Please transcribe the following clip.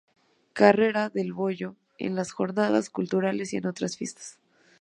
Carrera del Bollo, en las Jornadas Culturales y en otras fiestas.